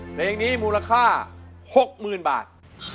เพลงนี้มูลค่าหกหมื่นบาท